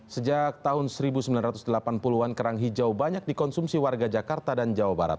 sejak tahun seribu sembilan ratus delapan puluh an kerang hijau banyak dikonsumsi warga jakarta dan jawa barat